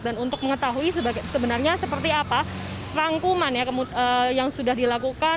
dan untuk mengetahui sebenarnya seperti apa rangkuman yang sudah dilakukan